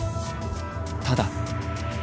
ただ」。